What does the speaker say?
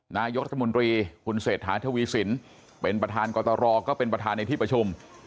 นายกรัฐมนตรีคุณเศรษฐาทวีสินเป็นประธานกตรก็เป็นประธานในที่ประชุม